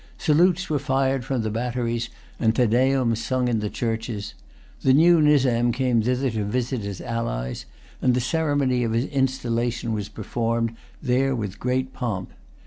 Salutes were fired from the batteries, and Te Deum sung in the churches. The new Nizam came thither to visit his allies; and the ceremony of his installation was performed there with great pomp.